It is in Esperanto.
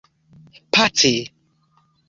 pace